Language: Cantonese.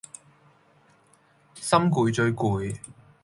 心攰最攰